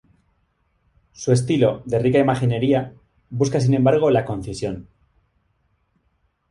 Su estilo, de rica imaginería, busca sin embargo la concisión.